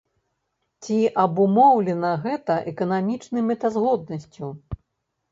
Ці абумоўлена гэта эканамічнай мэтазгоднасцю?